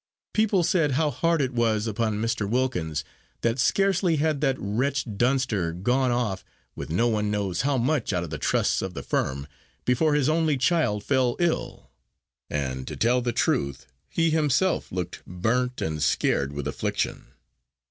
People said how hard it was upon Mr. Wilkins, that scarcely had that wretch Dunster gone off, with no one knows how much out of the trusts of the firm, before his only child fell ill. And, to tell the truth, he himself looked burnt and scared with affliction.